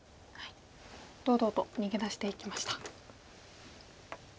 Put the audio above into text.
堂々と逃げ出していきました。